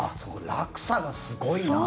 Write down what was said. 落差がすごいな。